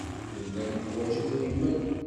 Nella neḥwaj idrimen.